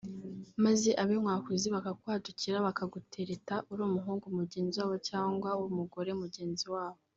maze ab’inkwakuzi bakakwadukira bakagutereta uri umuhungu mugenzi wabo cyangwa umugore mugenzi wabo